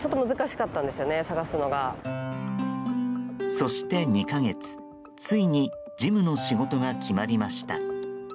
そして２か月、ついに事務の仕事が決まりました。